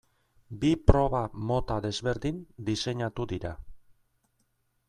Bi proba mota desberdin diseinatu dira.